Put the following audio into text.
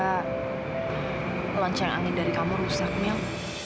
masalah kedua lonceng angin dari kamu rusak mil